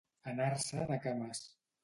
Anar-se'n a cames.